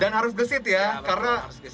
dan harus gesit ya karena